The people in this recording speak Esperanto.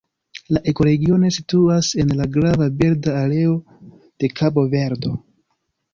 La ekoregiono situas en la grava birda areo de Kabo-Verdo.